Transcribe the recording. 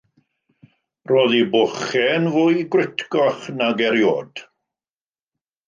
Roedd ei bochau yn fwy gwritgoch nag erioed.